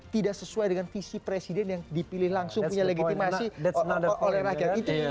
tidak sesuai dengan visi presiden yang dipilih langsung punya legitimasi oleh rakyat